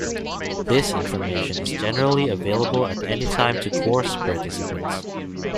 This information is generally available at any time to course participants.